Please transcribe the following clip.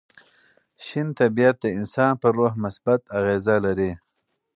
شین طبیعت د انسان پر روح مثبت اغېزه لري.